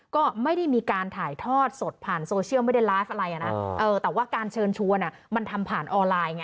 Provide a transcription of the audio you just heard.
ก็ไม่ได้มีการถ่ายทอดสดผ่านโซเชียลไม่ได้ไลฟ์อะไรนะแต่ว่าการเชิญชวนมันทำผ่านออนไลน์ไง